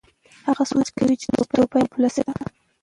هغه سوچ کاوه چې توبه یې قبوله شوې ده.